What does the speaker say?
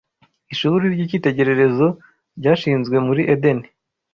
ishuri ry’icyitegererezo ryashinzwe muri Edeni